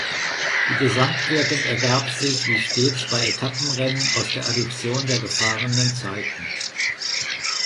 Die Gesamtwertung ergab sich wie stets bei Etappenrennen aus der Addition der gefahrenen Zeiten.